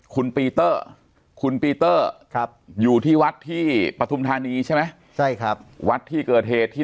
คุณปีเตอร์คุณปีเตอร์อยู่ที่วัดที่ปฐุมธานีใช่ไหมใช่ครับวัดที่เกิดเหตุที่